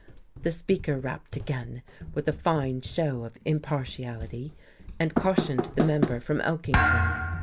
The Speaker rapped again, with a fine show of impartiality, and cautioned the member from Elkington.